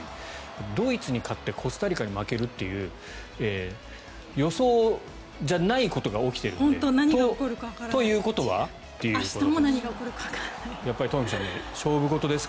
ドイツに勝ってコスタリカに負けるという予想じゃないことが起きているのでということは？ということで。